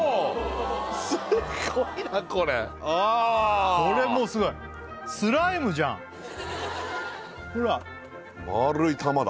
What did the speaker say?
すごいなこれこれもうすごいスライムじゃんほら丸い玉だ